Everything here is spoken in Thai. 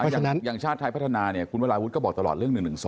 อย่างชาติไทยพัฒนาเนี่ยคุณวราวุฒิก็บอกตลอดเรื่อง๑๑๒